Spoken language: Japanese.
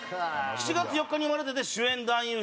『７月４日に生まれて』で主演男優賞。